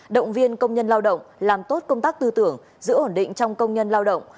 động viên công nhân lao động làm tốt công tác tư tưởng giữ ổn định trong công nhân lao động